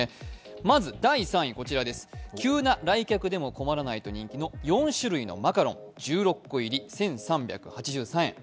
まず第３位、急な来客でも困らないと人気の４種類のマカロン、１６個入り、１３８３円。